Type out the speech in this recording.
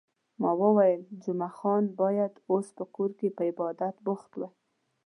ما وویل، جمعه خان باید اوس په کور کې په عبادت بوخت وای.